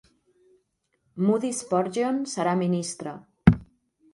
Moody Spurgeon serà ministre.